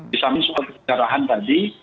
bisa menyebutkan sebuah kecerahan tadi